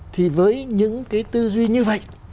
thì với những cái tư duy như vậy